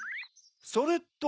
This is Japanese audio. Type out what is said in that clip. それと。